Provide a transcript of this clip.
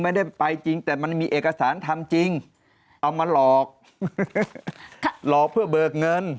ไม่ได้ไปจริงแต่มันมีเอกสารทำจริงเอามาหลอกหลอกเพื่อเบิกเงิน